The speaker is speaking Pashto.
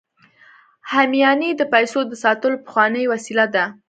همیانۍ د پیسو د ساتلو پخوانۍ وسیله ده